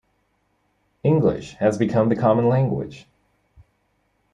English has become the common language.